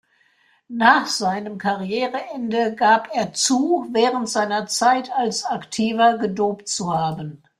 Nach seinem Karriereende gab er zu, während seiner Zeit als Aktiver gedopt zu haben.